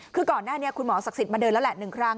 คือก่อนหน้านี้คุณหมอศักดิ์สิทธิ์มาเดินแล้วแหละ๑ครั้ง